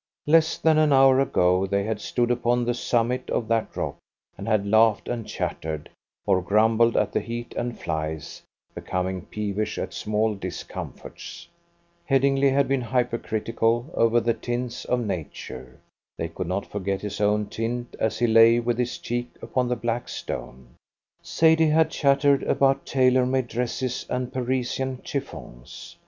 Less than an hour ago they had stood upon the summit of that rock, and had laughed and chattered, or grumbled at the heat and flies, becoming peevish at small discomforts. Headingly had been hypercritical over the tints of Nature. They could not forget his own tint as he lay with his cheek upon the black stone. Sadie had chattered about tailor made dresses and Parisian chiffons.